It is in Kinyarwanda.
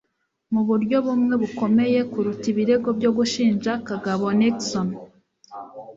muburyo bumwe bukomeye kuruta ibirego byo gushinja Kagabo Nixon